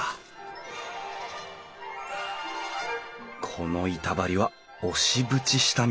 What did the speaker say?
この板張りは押し縁下見。